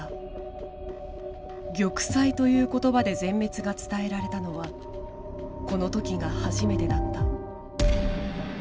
玉砕という言葉で全滅が伝えられたのはこの時が初めてだった。